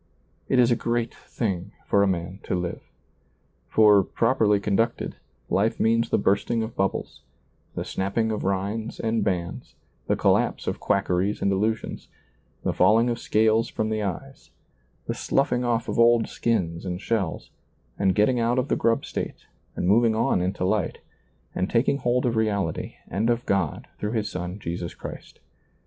It is a great thing for a man to live. For, properly conducted, life means the bursting of bubbles, the snapping of rinds and bands, the collapse of quackeries and illusions. ^lailizccbvGoOgle 34 SEEING DARKLY the ^ling of scales from the eyes, the sloughing off of old skins and shells, and getting out of the grub state, and moving on into light, and taking hold of reality and of God through His Son Jesus Christ.